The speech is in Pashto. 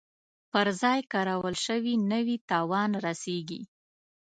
پر ځای کارول شوي نه وي تاوان رسیږي.